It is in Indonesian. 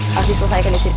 harus diselesaikan di sirkuit